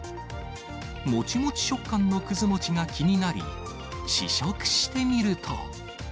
もちもち食感のくずもちが気になり、試食してみると。